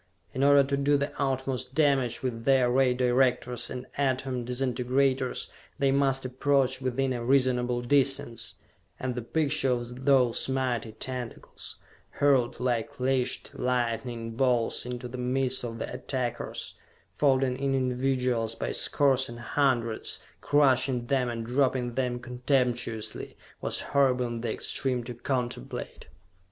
In order to do the utmost damage with their Ray Directors and Atom Disintegrators, they must approach within a reasonable distance and the picture of those mighty tentacles, hurled like leashed lightning bolts into the midst of the attackers, folding in individuals by scores and hundreds, crushing them and dropping them contemptuously, was horrible in the extreme to contemplate!